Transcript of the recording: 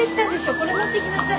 これ持っていきなさい。